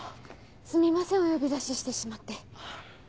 すみませんお呼び出ししてしまって。